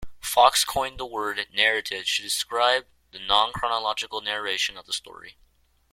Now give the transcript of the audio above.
Fox coined the word "narratage" to describe the non-chronological narration of the story.